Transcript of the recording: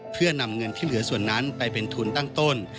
เพื่อนำเงินที่เหลือส่วนนั้นไปเป็นทุนตั้งต้น